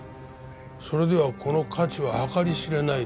それではこの価値は計り知れないですね？